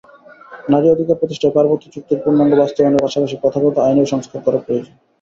নারী অধিকার প্রতিষ্ঠায় পার্বত্য চুক্তির পূর্ণাঙ্গ বাস্তবায়নের পাশাপাশি প্রথাগত আইনেও সংস্কার করা প্রয়োজন।